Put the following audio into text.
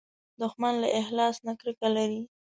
دښمن له اخلاص نه کرکه لري